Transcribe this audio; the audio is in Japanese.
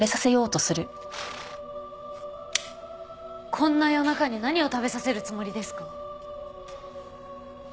こんな夜中に何を食べさせるつもりですか？